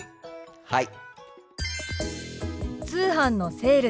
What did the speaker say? はい。